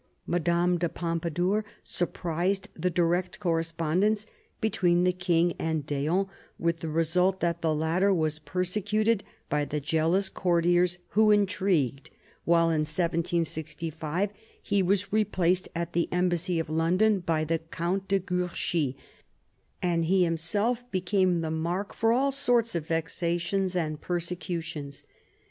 Madame de Pompadour surprised the direct correspondence between the king and d'Eon, with the result that the latter was persecuted by the jealous courtiers who intrigued, until in 1765 he was replaced at the Embassy of London by the Count de Guerchy and he himself became the mark for all sorts of vexations and persecutions.